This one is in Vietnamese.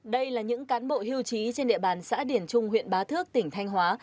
đây là những cán bộ hưu trí trên địa bàn xã điển trung huyện bá thước tỉnh thanh hóa